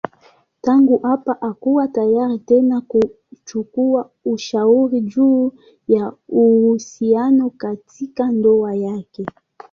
Tangu hapa hakuwa tayari tena kuchukua ushauri juu ya uhusiano katika ndoa yake.